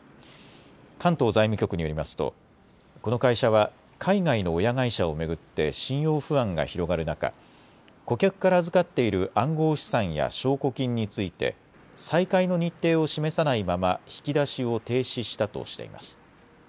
関東財務局によりますとこの会社は海外の親会社を巡って信用不安が広がる中、顧客から預かっている暗号資産や証拠金について再開の日程を示さないまま引き出しを停止したとしています。